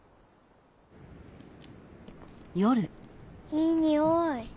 いいにおい。